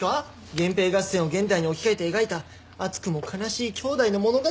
源平合戦を現代に置き換えて描いた熱くも悲しい兄弟の物語です。